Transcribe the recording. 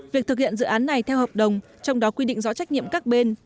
việc thực hiện dự án này theo hợp đồng trong đó quy định rõ trách nhiệm các bên